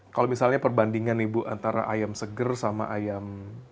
kalau misalnya perbandingan ibu antara ayam seger sama ayam